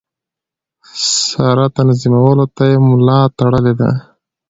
سره تنظیمولو ته یې ملا تړلې ده.